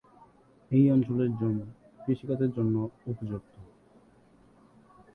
এই অঞ্চলের জমি কৃষিকাজের জন্য উপযুক্ত।